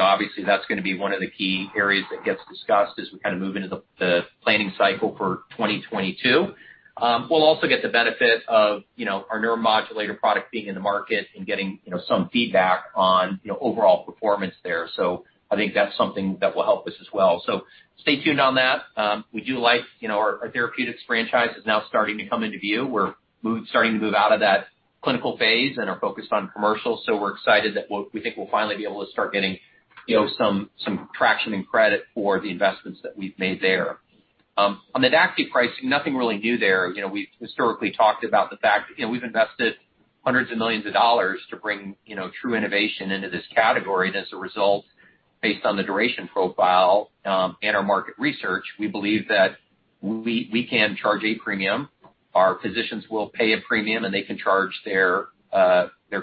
Obviously that's going to be one of the key areas that gets discussed as we kind of move into the planning cycle for 2022. We'll also get the benefit of our neuromodulator product being in the market and getting some feedback on overall performance there. I think that's something that will help us as well. Stay tuned on that. We do like our therapeutics franchise is now starting to come into view. We're starting to move out of that clinical phase and are focused on commercial. We're excited that we think we'll finally be able to start getting some traction and credit for the investments that we've made there. On the DAXI pricing, nothing really new there. We've historically talked about the fact we've invested hundreds of millions of dollars to bring true innovation into this category. As a result, based on the duration profile and our market research, we believe that we can charge a premium, our physicians will pay a premium, and they can charge their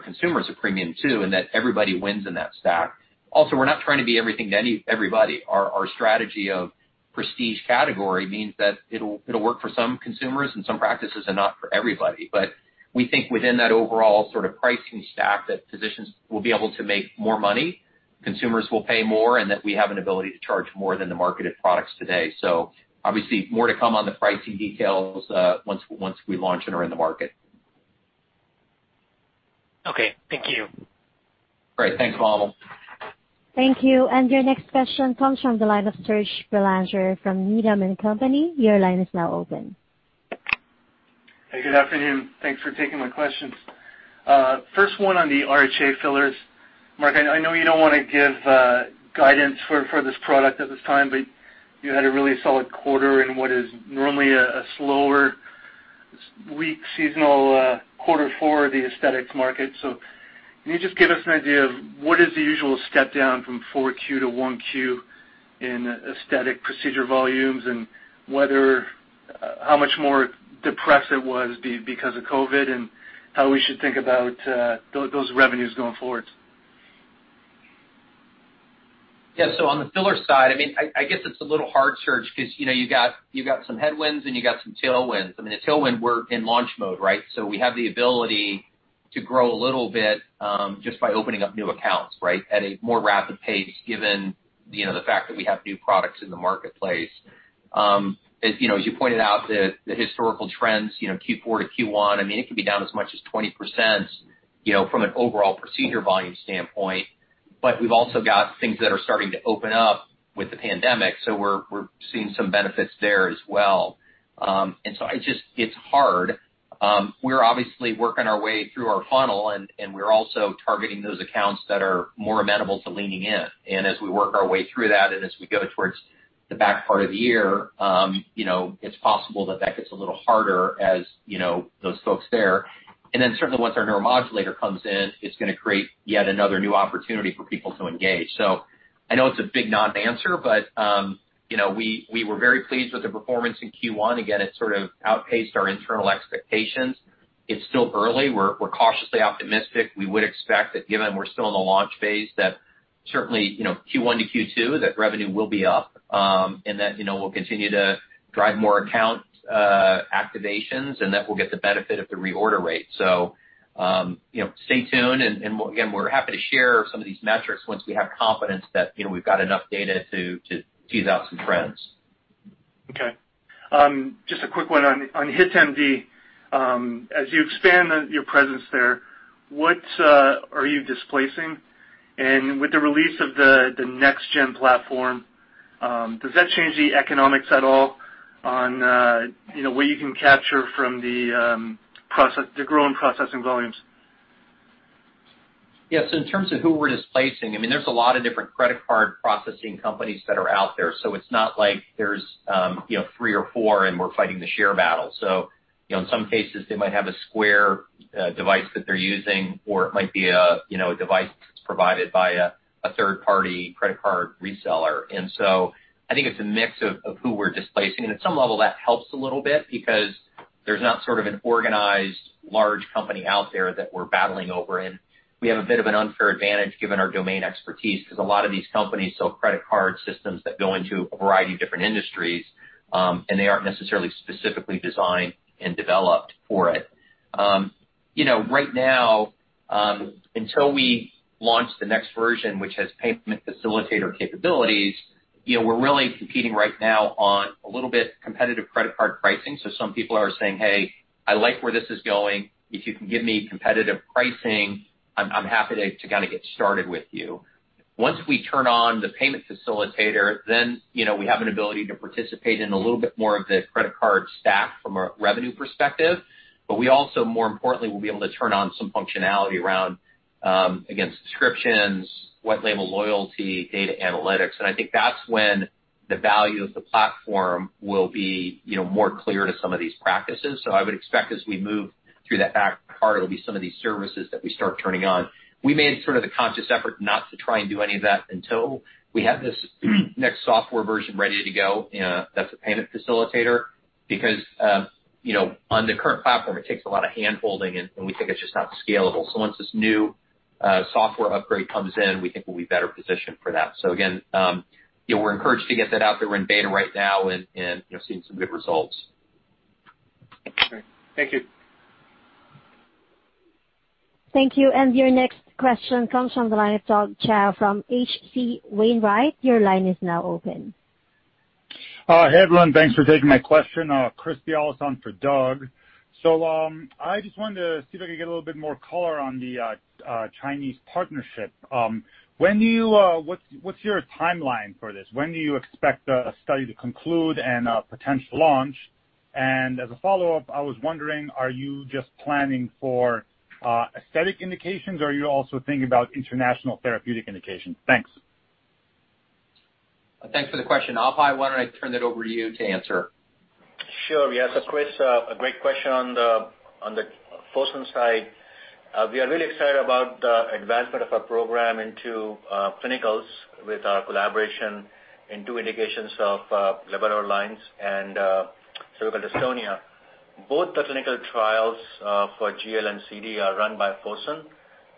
consumers a premium too, and that everybody wins in that stack. We're not trying to be everything to everybody. Our strategy of prestige category means that it'll work for some consumers and some practices and not for everybody. We think within that overall sort of pricing stack, that physicians will be able to make more money. Consumers will pay more and that we have an ability to charge more than the marketed products today. Obviously more to come on the pricing details once we launch and are in the market. Okay, thank you. Great. Thanks, Vamil. Thank you. Your next question comes from the line of Serge Belanger from Needham & Company. Your line is now open. Hey, good afternoon. Thanks for taking my questions. First one on the RHA fillers. Mark, I know you don't want to give guidance for this product at this time, but you had a really solid quarter in what is normally a slower week, seasonal quarter for the aesthetics market. Can you just give us an idea of what is the usual step down from 4Q-1Q in aesthetic procedure volumes and how much more depressed it was because of COVID and how we should think about those revenues going forward? Yeah, on the filler side, I guess it's a little hard, Serge Belanger, because you've got some headwinds and you've got some tailwinds. I mean, the tailwind, we're in launch mode, right? We have the ability to grow a little bit, just by opening up new accounts, right, at a more rapid pace, given the fact that we have new products in the marketplace. As you pointed out, the historical trends, Q4-Q1, it could be down as much as 20%, from an overall procedure volume standpoint. We've also got things that are starting to open up with the pandemic, so we're seeing some benefits there as well. It's hard. We're obviously working our way through our funnel, and we're also targeting those accounts that are more amenable to leaning in. As we work our way through that, as we go towards the back part of the year, it's possible that that gets a little harder as those folks there. Certainly once our neuromodulator comes in, it's going to create yet another new opportunity for people to engage. I know it's a big non-answer, but we were very pleased with the performance in Q1. Again, it sort of outpaced our internal expectations. It's still early. We're cautiously optimistic. We would expect that given we're still in the launch phase, that certainly, Q1-Q2, that revenue will be up, and that we'll continue to drive more account activations and that we'll get the benefit of the reorder rate. Stay tuned and, again, we're happy to share some of these metrics once we have confidence that we've got enough data to tease out some trends. Okay. Just a quick one on HintMD. As you expand your presence there, what are you displacing? With the release of the next-gen platform, does that change the economics at all on what you can capture from the growing processing volumes? Yeah. In terms of who we're displacing, there's a lot of different credit card processing companies that are out there. It's not like there's three or four and we're fighting the share battle. In some cases, they might have a Square device that they're using, or it might be a device that's provided by a third-party credit card reseller. I think it's a mix of who we're displacing. At some level that helps a little bit because there's not sort of an organized large company out there that we're battling over. We have a bit of an unfair advantage given our domain expertise, because a lot of these companies sell credit card systems that go into a variety of different industries, and they aren't necessarily specifically designed and developed for it. Right now, until we launch the next version, which has payment facilitator capabilities, we're really competing right now on a little bit competitive credit card pricing. Some people are saying, "Hey, I like where this is going. If you can give me competitive pricing, I'm happy to get started with you." Once we turn on the payment facilitator, then we have an ability to participate in a little bit more of the credit card stack from a revenue perspective. We also, more importantly, will be able to turn on some functionality around, again, subscriptions, white label loyalty, data analytics, and I think that's when the value of the platform will be more clear to some of these practices. I would expect as we move through that back part, it'll be some of these services that we start turning on. We made sort of the conscious effort not to try and do any of that until we have this next software version ready to go that's a payment facilitator because on the current platform, it takes a lot of handholding, and we think it's just not scalable. Once this new software upgrade comes in, we think we'll be better positioned for that. Again, we're encouraged to get that out there. We're in beta right now and seeing some good results. Okay. Thank you. Thank you. Your next question comes from the line of Doug Tsao from H.C. Wainwright. Hey, everyone. Thanks for taking my question. Chris Bialas for Doug. I just wanted to see if I could get a little bit more color on the Chinese partnership. What's your timeline for this? When do you expect a study to conclude and a potential launch? As a follow-up, I was wondering, are you just planning for aesthetic indications or are you also thinking about international therapeutic indications? Thanks. Thanks for the question. Abhay, why don't I turn it over to you to answer? Sure. Yes, Chris, a great question on the Fosun side. We are really excited about the advancement of our program into clinicals with our collaboration in two indications of blepharospasm and cervical dystonia. Both the clinical trials for GL and CD are run by Fosun,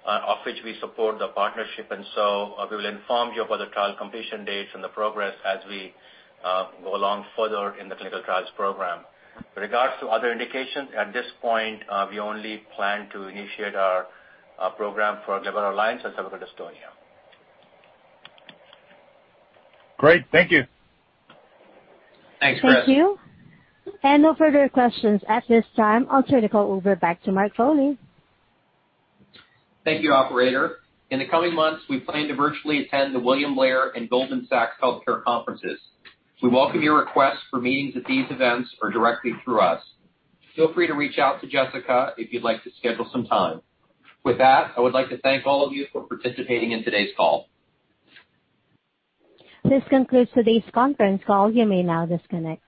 of which we support the partnership. We will inform you of other trial completion dates and the progress as we go along further in the clinical trials program. With regards to other indications, at this point, we only plan to initiate our program for blepharospasm and cervical dystonia. Great. Thank you. Thanks, Chris. Thank you. No further questions at this time. I'll turn the call over back to Mark Foley. Thank you, operator. In the coming months, we plan to virtually attend the William Blair and Goldman Sachs Healthcare Conferences. We welcome your requests for meetings at these events or directly through us. Feel free to reach out to Jessica if you'd like to schedule some time. With that, I would like to thank all of you for participating in today's call. This concludes today's conference call. You may now disconnect.